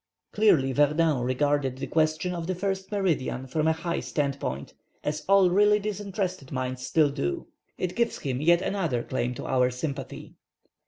Clearly Verdun regarded the question of the first meridian from a high standpoint, as all really disinterested minds still do. It gives him yet another claim to our sympathy.